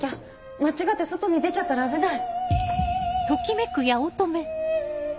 間違って外に出ちゃったら危ない。